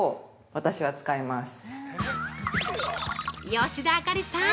◆吉田あかりさん。